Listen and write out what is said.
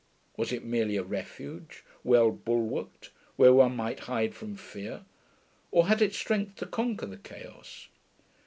Was it merely a refuge, well bulwarked, where one might hide from fear? Or had it strength to conquer the chaos?